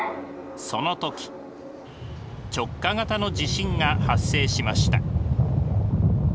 その時直下型の地震が発生しました。